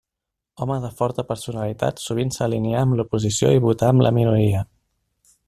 Home de forta personalitat, sovint s'alineà amb l'oposició i votà amb la minoria.